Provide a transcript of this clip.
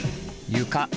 床。